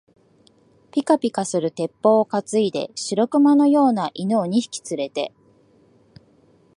ぴかぴかする鉄砲をかついで、白熊のような犬を二匹つれて、